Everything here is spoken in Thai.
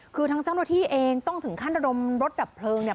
คือทั้งจ้าโนที่เองต้องถึงขั้นรมรถดับเคริงเนี่ย